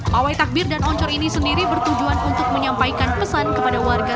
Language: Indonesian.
pawai takbir dan oncor ini sendiri bertujuan untuk menyampaikan pesan kepada warga